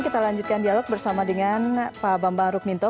kita lanjutkan dialog bersama dengan pak bambang rukminto